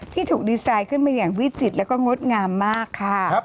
ที่ถูกดีไซน์ขึ้นมาอย่างวิจิตรแล้วก็งดงามมากค่ะ